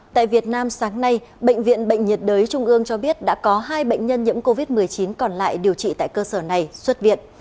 tại việt nam sáng nay bệnh viện bệnh nhiệt đới trung ương cho biết đã có hai bệnh nhân nhiễm covid một mươi chín còn lại điều trị tại cơ sở này xuất viện